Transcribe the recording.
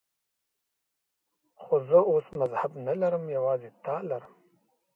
خو زه اوس مذهب نه لرم، یوازې تا لرم.